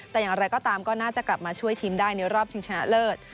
แต่อย่างไรก็ตามก็น่าจะกลับมาช่วยทีมได้ในรอบชิงชนะเลิศ